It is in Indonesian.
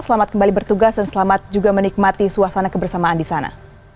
selamat kembali bertugas dan selamat juga menikmati suasana kebersamaan di sana